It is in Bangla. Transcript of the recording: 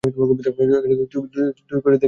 তুই করে দেখিয়েছিস, চ্যাম্প।